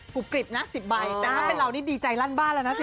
กรุบกริบนะ๑๐ใบแต่ถ้าเป็นเรานี่ดีใจลั่นบ้านแล้วนะสิ